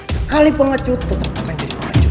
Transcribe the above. sekali pengecut tetap akan jadi pengecut